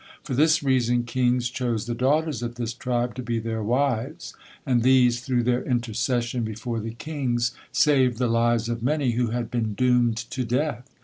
For this reason kings chose the daughters of this tribe to be their wives, and these, through their intercession before the kings, saved the lives of many who had been doomed to death.